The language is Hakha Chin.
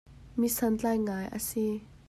Mi santlai ngai a si.